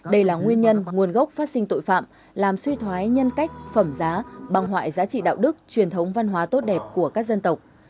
đây là nguyên nhân nguồn gốc phát sinh tội phạm làm suy thoái nhân cách phẩm giá bằng hoại giá trị đạo đức truyền thống văn hóa tốt đẹp của các dân tộc